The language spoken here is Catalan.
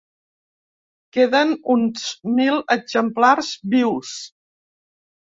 Queden uns mil exemplars vius.